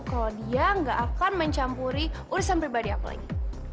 kalau dia nggak akan mencampuri urusan pribadi aku lagi